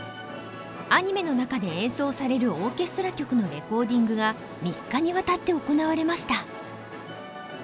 アニメの中で演奏されるオーケストラ曲のレコーディングが３日にわたって行われました。